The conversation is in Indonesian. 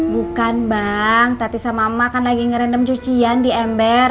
bukan bang tati sama mama kan lagi ngerendam cucian di ember